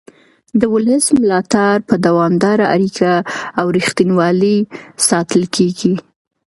د ولس ملاتړ په دوامداره اړیکه او رښتینولۍ ساتل کېږي